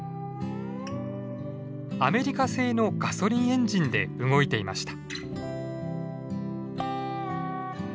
アメリカ製のガソリンエンジンで動いていました。